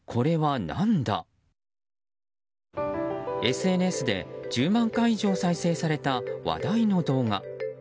ＳＮＳで１０万回以上再生された話題の動画。